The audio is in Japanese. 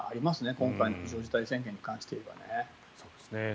今回の緊急事態宣言に関して言えばね。